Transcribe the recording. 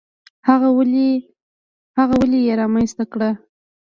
هغه ولې یې رامنځته کړه؟